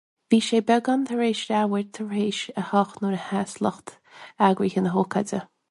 Bhí sé beagán tar éis leathuair tar éis a hocht nuair a sheas lucht eagraithe na hócáide.